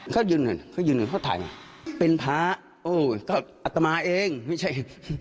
เขายืนเขายืนเขาถ่ายมาเป็นพระโอ๊ยก็อัตมาเองนี่ใช่